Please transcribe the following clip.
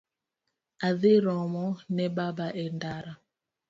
Adhi romo ne baba e ndara